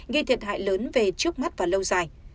gây thiệt hại lớn về trước mắt và lâu dài